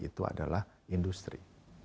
itu adalah industri